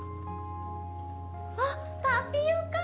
あっタピオカ。